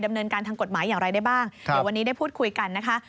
ดำเนินการทางกฎหมายอย่างไรได้บ้างเดี๋ยววันนี้ได้พูดคุยกันนะคะ